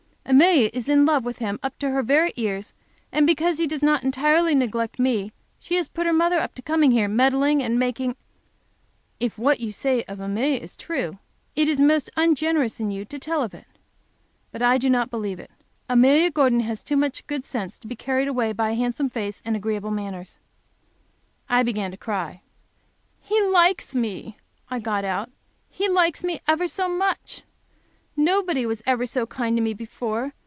Amelia is in love with him up to her very ears, and because he does not entirely neglect me, she has put her mother up to coming here, meddling and making " "If what you say of Amelia is true, it is most ungenerous in you to tell of it. But I do not believe it. Amelia Gordon has too much good sense to be carried away by a handsome face and agreeable manners." I began to cry. "He likes me," I got out, "he likes me ever so much. Nobody ever was so kind to me before.